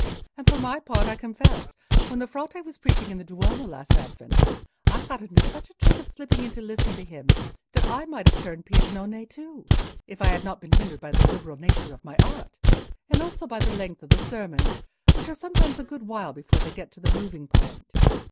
And for my own part, I confess, when the Frate was preaching in the Duomo last Advent, I got into such a trick of slipping in to listen to him that I might have turned Piagnone too, if I had not been hindered by the liberal nature of my art; and also by the length of the sermons, which are sometimes a good while before they get to the moving point.